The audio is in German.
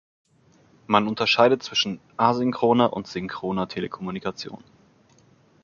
Man unterscheidet zwischen asynchroner und synchroner Telekommunikation.